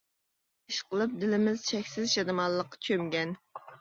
ئىش قىلىپ دىلىمىز چەكسىز شادىمانلىققا چۆمگەن.